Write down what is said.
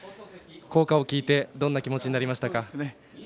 校歌を聞いてどんな気持ちになりましたか。